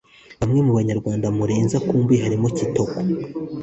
Bamwe mu banyarwanda Murenzi akumbuye harimo Kitoko